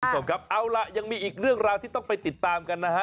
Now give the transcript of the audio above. คุณผู้ชมครับเอาล่ะยังมีอีกเรื่องราวที่ต้องไปติดตามกันนะฮะ